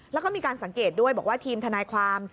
แล้วก็มีการสังเกตด้วยบอกว่าทีมทนายความ